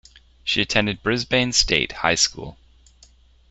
She attended Brisbane State High School.